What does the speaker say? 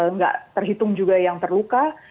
nggak terhitung juga yang terluka